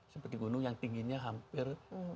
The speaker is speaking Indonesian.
seperti gunung yang tingginya hampir